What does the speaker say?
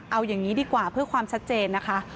เอาอย่างนี้ดีกว่าเพื่อความชัดเจนนะคะ